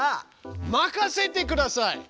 任せてください！